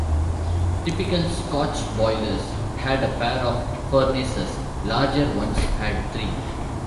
Typical Scotch boilers had a pair of furnaces, larger ones had three.